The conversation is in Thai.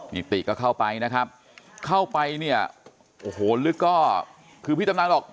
นี่ติก็เข้าไปนะครับเข้าไปเนี่ยโอ้โหลึกก็คือพี่ตำนานบอก